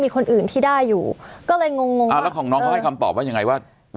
เขาหยุดแล้ว